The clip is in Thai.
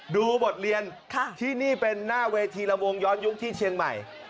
บทเรียนที่นี่เป็นหน้าเวทีละวงย้อนยุคที่เชียงใหม่